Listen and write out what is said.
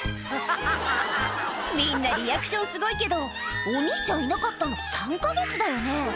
みんなリアクションすごいけどお兄ちゃんいなかったの３か月だよね？